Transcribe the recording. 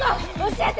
教えて！